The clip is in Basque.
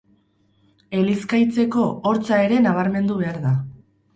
Elizkaitzeko Hortza ere nabarmendu behar da.